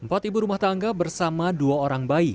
empat ibu rumah tangga bersama dua orang bayi